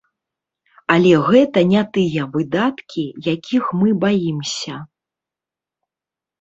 Але гэта не тыя выдаткі, якіх мы баімся.